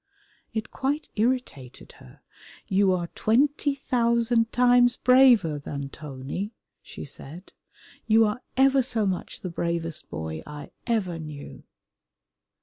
It quite irritated her. "You are twenty thousand times braver than Tony," she said, "you are ever so much the bravest boy I ever knew!"